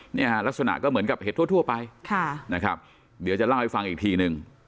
เนี่ยฮะลักษณะก็เหมือนกับเห็ดทั่วไปค่ะนะครับเดี๋ยวจะเล่าให้ฟังอีกทีหนึ่ง